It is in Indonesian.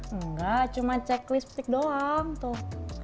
enggak cuma checklist pik doang tuh